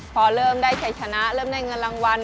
พอเริ่มได้ชัยชนะเริ่มได้เงินรางวัล